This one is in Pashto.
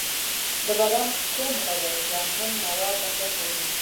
د بدن کوم غړي زیانمن مواد دفع کوي؟